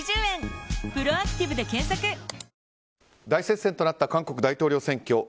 大接戦となった韓国大統領選挙。